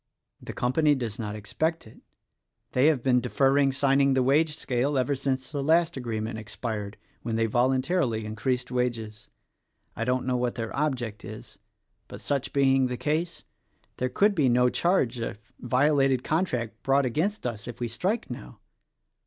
The company does not expect it. They have been deferring signing the wage scale ever since the last agreement expired — when they voluntarily increased wages. I don't know what their object is; but such being the case, there could be no charge of violated contract brought against us if we strike now.